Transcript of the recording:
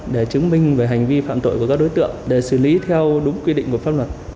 để chứng minh về hành vi phạm tội của các đối tượng để xử lý theo đúng quy định của pháp luật